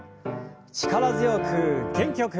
力強く元気よく。